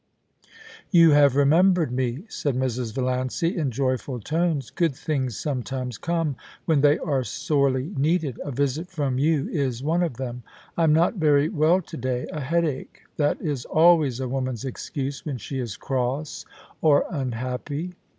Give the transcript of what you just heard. * You have remembered me,' said Mrs. Valiancy in joyful tones. * Good things sometimes come when they are sorely needed; a visit from you is one of them. I'm not very well to day — a headache — that is always a woman's excuse when she is cross or unhappy.